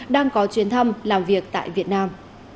đang có chuyến thăm làm việc tại việt nam